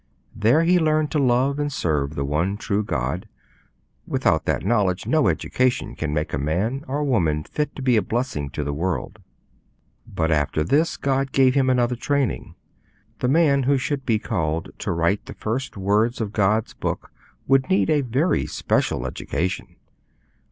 There he learned to love and serve the one true God. Without that knowledge no education can make a man or woman fit to be a blessing to the world. But after this God gave him another training. The man who should be called to write the first words of God's Book would need a very special education.